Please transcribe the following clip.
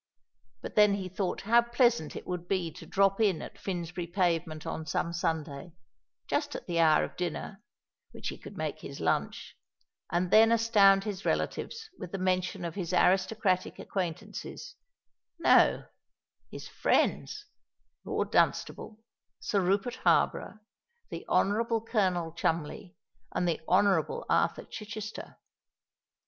But then he thought how pleasant it would be to drop in at Finsbury Pavement on some Sunday—just at the hour of dinner, which he could make his lunch—and then astound his relatives with the mention of his aristocratic acquaintances,—no, his friends,—Lord Dunstable, Sir Rupert Harborough, the Honourable Colonel Cholmondeley, and the Honourable Arthur Chichester!